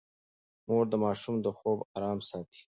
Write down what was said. مور د ماشوم د خوب ارام ساتي.